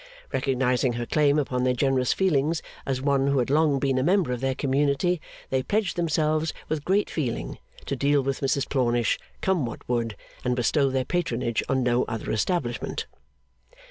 Recognising her claim upon their generous feelings as one who had long been a member of their community, they pledged themselves, with great feeling, to deal with Mrs Plornish, come what would and bestow their patronage on no other establishment.